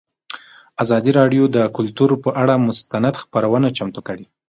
ازادي راډیو د کلتور پر اړه مستند خپرونه چمتو کړې.